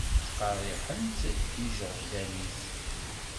Ttqerriḥen-tt ijeɣdanen-is.